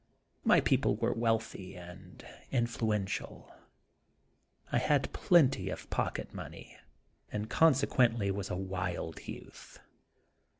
My people were wealthy and influential ; I had plenty of pocket money, and consequently was a wild youth.